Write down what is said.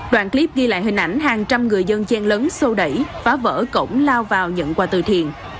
đoạn clip ghi lại hình ảnh hàng trăm người dân gian lớn sâu đẩy phá vỡ cổng lao vào nhận quà từ thiện